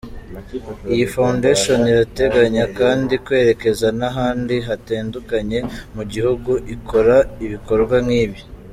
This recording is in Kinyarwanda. Iyi Foundation irateganya kandi kwerekeza n’ahandi hatandukanye mu gihugu ikora ibikorwa nk’ibi.